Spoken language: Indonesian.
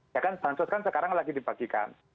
ya kan bansos kan sekarang lagi dibagikan